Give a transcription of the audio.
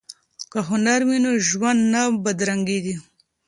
که هنر وي نو ژوند نه بدرنګیږي.